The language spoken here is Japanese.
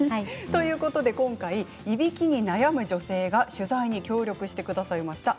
今回いびきに悩む女性が取材に協力してくださいました。